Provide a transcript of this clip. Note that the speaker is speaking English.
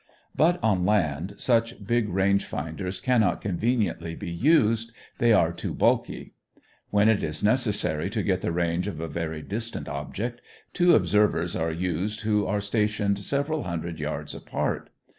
But on land such big range finders cannot conveniently be used; they are too bulky. When it is necessary to get the range of a very distant object, two observers are used who are stationed several hundred yards apart.